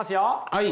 はい。